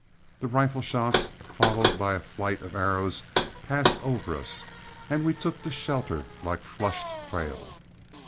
The rifle shots, followed by a flight of arrows, passed over us, and we took to shelter like flushed quail.